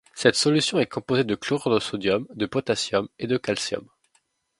Cette solution est composée de chlorure de sodium, de potassium et de calcium.